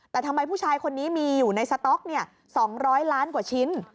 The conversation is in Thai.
แต่ทำไมผู้ชายคนนี้มีอยู่ในสต๊อก๒๐๐ล้านกว่าชิ้น